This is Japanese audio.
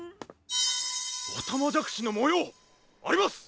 おたまじゃくしのもよう！あります！